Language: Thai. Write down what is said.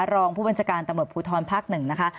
รองผู้บัญชการตำรวจผู้ท้อนภาคหนึ่งนะคะ